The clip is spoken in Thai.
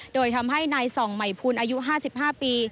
โดยทำให้นายส่องใหม่ภูลอายุ๕๕ปี